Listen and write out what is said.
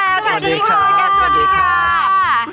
สวัสดีค่ะ